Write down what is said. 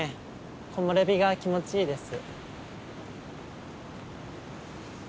木漏れ日が気持ちいいです。